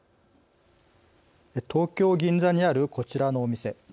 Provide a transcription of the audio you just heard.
東京・銀座にあるこちらのお店。